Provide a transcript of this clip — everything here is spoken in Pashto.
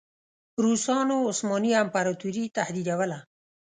روسانو عثماني امپراطوري تهدیدوله.